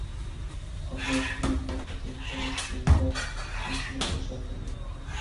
ئابلەت بىلەن بۇ قېتىم كۆرۈشكىنىمدە شۇنچىلىك خۇشال بولدۇم.